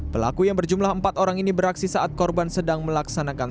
pelaku yang berjumlah empat orang ini beraksi saat korban sedang melaksanakan